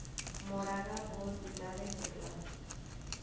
Moraga: Voz, Guitarra, teclados